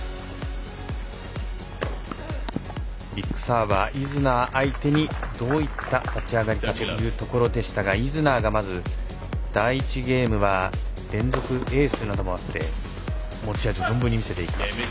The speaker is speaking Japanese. ビッグサーバー、イズナー相手にどういった立ち上がりかというところでしたがイズナーが、まず第１ゲームは連続エースなどもあって持ち味、存分に見せていきます。